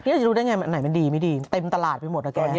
เราจะรู้ได้ไงอันไหนมันดีไม่ดีเต็มตลาดไปหมดนะแก